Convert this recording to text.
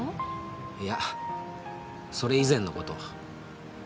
いやそれ以前の事。